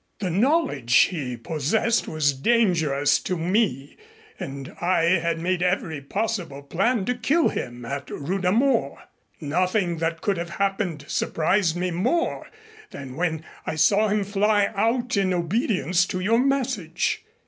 The knowledge he possessed was dangerous to me and I had made every possible plan to kill him at Rudha Mor. Nothing that could have happened surprised me more than when I saw him fly out in obedience to your message.